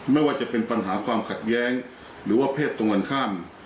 ไม่ว่าจะเป็นปัญหาความขัดแย้งหรือว่าเพศตรงกันข้าม